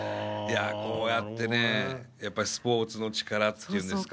いやこうやってねやっぱりスポーツの力っていうんですかね。